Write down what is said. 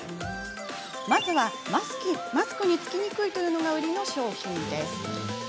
まずはマスクにつきにくいというのが売りの商品。